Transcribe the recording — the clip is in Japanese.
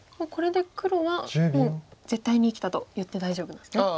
これで黒はもう絶対に生きたといって大丈夫なんですね。